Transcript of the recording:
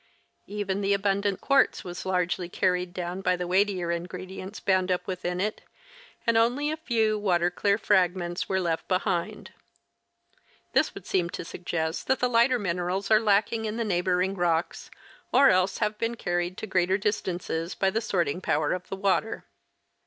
Even the abundant quartz was largely carried down by the weightier ingredi ents bound up within it, and only a few water clear fragments were left behind. This would seem to suggest that the lighter minerals are lacking in the neighboring rocks, or else have been carried to greater distances by the sorting power of the water.